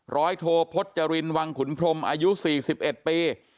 รอยโทพจรินวังขุนพรมอายุสี่สิบเอ็ดปี